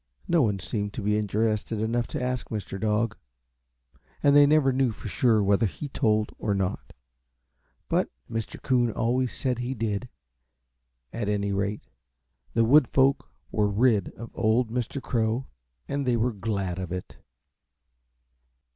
No one seemed to be interested enough to ask Mr. Dog, and they never knew for sure whether he told or not, but Mr. Coon always said he did. At any rate, the wood folk were rid of old Mr. Crow, and they were glad of it.